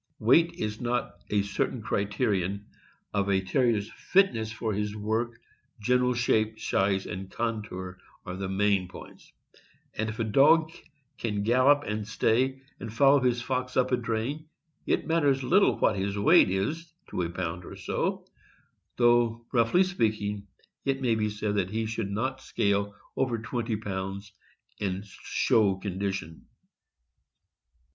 Weight is not a certain criterion of a Terrier' s fitness for his work — general shape, size, and contour are the main points; and if a dog can gallop and stay, and follow his fox up a drain, it matters little what his weight is to a pound or so, though, roughly speaking, it may be said that he should not scale over twenty pounds in show condition.